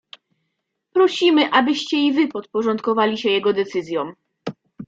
"Prosimy, abyście i wy podporządkowali się jego decyzjom."